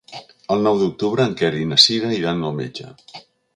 El nou d'octubre en Quer i na Cira iran al metge.